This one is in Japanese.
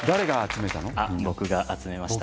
僕が集めました。